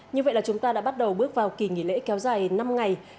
như vậy là chúng ta đã bắt đầu bước vào kỳ nghỉ lễ kéo dài năm ngày